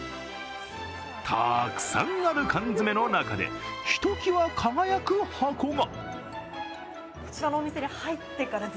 たくさんある缶詰の中でひときわ輝く箱が。